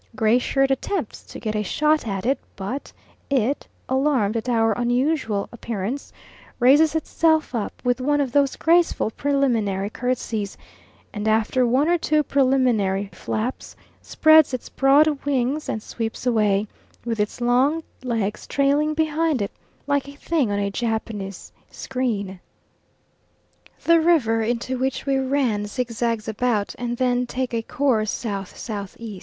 Gray Shirt attempts to get a shot at it, but it alarmed at our unusual appearance raises itself up with one of those graceful preliminary curtseys, and after one or two preliminary flaps spreads its broad wings and sweeps away, with its long legs trailing behind it like a thing on a Japanese screen. The river into which we ran zigzags about, and then takes a course S.S.E.